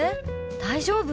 大丈夫？